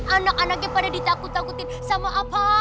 anak anaknya pada ditakut takutin sama apa